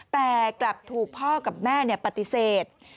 แต่กลับถูกพ่อกับแม่ปฏิเสธ